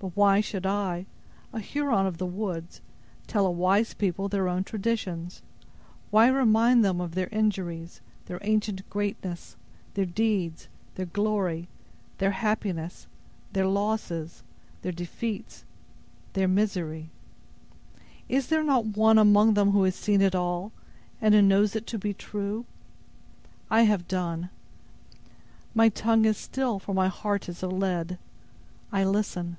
But why should I, a Huron of the woods, tell a wise people their own traditions? Why remind them of their injuries; their ancient greatness; their deeds; their glory; their happiness; their losses; their defeats; their misery? Is there not one among them who has seen it all, and who knows it to be true? I have done. My tongue is still for my heart is of lead. I listen."